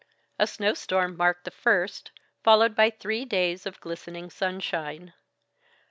A snow storm marked the first, followed by three days of glistening sunshine.